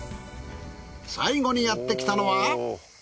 最後にやってきたのは。